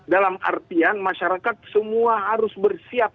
dalam artian masyarakat semua harus bersiap